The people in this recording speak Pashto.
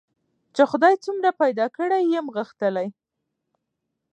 چي خدای څومره پیدا کړی یم غښتلی